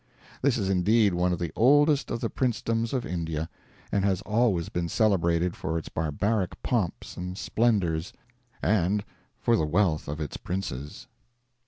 This is indeed one of the oldest of the princedoms of India, and has always been celebrated for its barbaric pomps and splendors, and for the wealth of its princes.